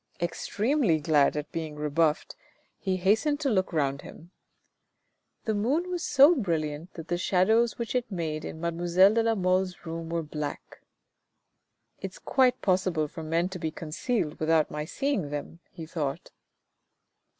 Extremely glad at being rebuffed, he hastened to look round him. The moon was so brilliant that the shadows which it made in mademoiselle de la Mole's room were black. " It's quite possible for men to be concealed without my seeing them," be thought.